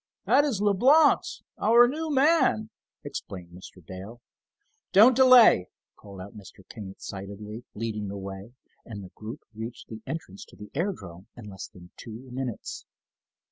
"That is Leblance, our new man," explained Mr. Dale. "Don't delay!" called out Mr. King, excitedly, leading the way, and the group reached the entrance to the aerodrome in less than two minutes.